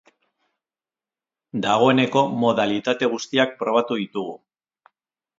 Dagoeneko modalitate guztiak probatu ditugu.